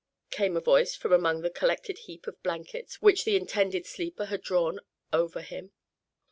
came a voice from among the collected heap of blankets which the intended sleeper had drawn over him.